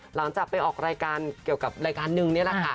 หลังจากไปออกรายการเกี่ยวกับรายการนึงนี่แหละค่ะ